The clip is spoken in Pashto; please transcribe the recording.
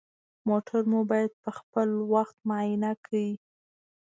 موټر مو باید پخپل وخت معاینه کړئ.